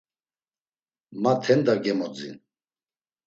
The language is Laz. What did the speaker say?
Ma Tenda gemodzin.